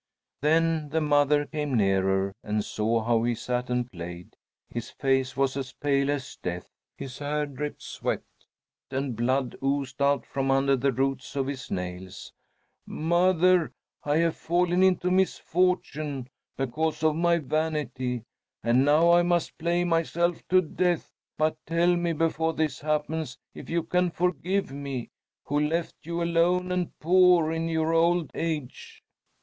Then the mother came nearer and saw how he sat and played. His face was as pale as death, his hair dripped sweat, and blood oozed out from under the roots of his nails. "Mother, I have fallen into misfortune because of my vanity, and now I must play myself to death. But tell me, before this happens, if you can forgive me, who left you alone and poor in your old age!"